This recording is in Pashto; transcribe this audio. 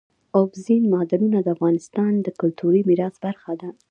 اوبزین معدنونه د افغانستان د کلتوري میراث برخه ده.